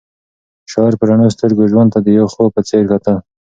شاعر په رڼو سترګو ژوند ته د یو خوب په څېر کتل.